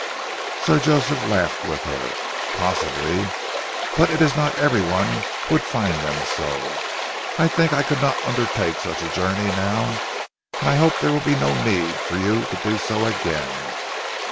Sir Joseph laughed with her. "Possibly! But it is not every one who would find them so. I think I could not undertake such a journey now. And I hope there will be no need for you to do so again.